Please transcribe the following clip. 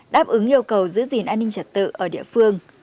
đáp ứng yêu cầu giữ gìn an ninh trật tự ở địa phương